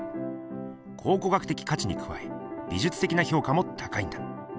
考古学的価値にくわえ美じゅつ的な評価も高いんだ。